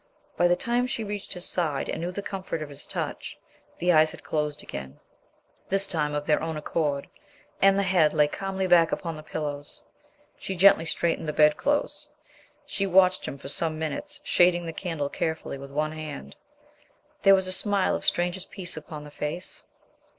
By the time she reached his side and knew the comfort of his touch, the eyes had closed again, this time of their own accord, and the head lay calmly back upon the pillows. She gently straightened the bed clothes. She watched him for some minutes, shading the candle carefully with one hand. There was a smile of strangest peace upon the face.